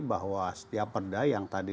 bahwa setiap perda yang tadi